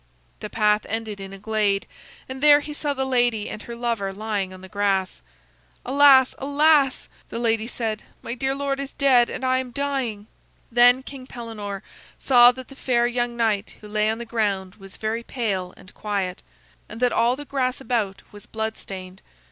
The path ended in a glade, and there he saw the lady and her lover lying on the grass. "Alas, alas!" the lady said, "my dear lord is dead and I am dying." Then King Pellenore saw that the fair young knight who lay on the ground was very pale and quiet, and that all the grass about was blood stained.